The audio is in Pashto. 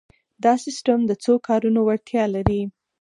دا سیسټم د څو کارونو وړتیا لري.